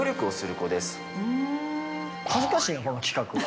恥ずかしいな、この企画。